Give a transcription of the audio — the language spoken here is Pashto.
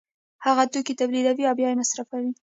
هغه توکي تولیدوي او بیا یې مصرفوي